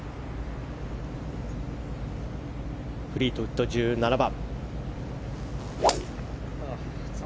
フリートウッド、１７番。